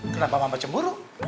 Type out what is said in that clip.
kenapa mama cemburu